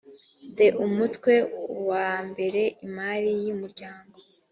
the umutwe wa mbere imari y umuryango